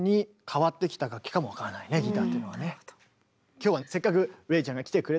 今日はせっかくＲｅｉちゃんが来てくれたし